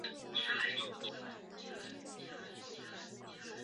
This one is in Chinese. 初始向量的值依密码演算法而不同。